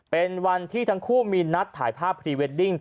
เป็นวันที่ทั้งคู่มีนัดถ่ายภาพพรีเวดดิ้ง